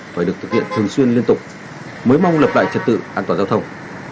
phải được thực hiện thường xuyên liên tục mới mong lập lại trật tự an toàn giao thông